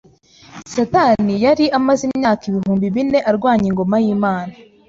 Satani yari amaze imyaka ibihumbi bine arwanya ingoma y’Imana